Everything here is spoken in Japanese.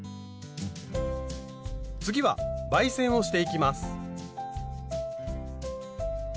次は媒染をしていきます。